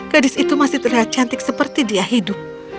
gadis itu masih terlihat cantik seperti dia hidup